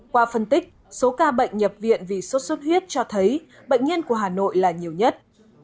qua phân tích số ca bệnh nhập viện vì sốt xuất huyết cho thấy bệnh nhân của hà nội là nhiều nhất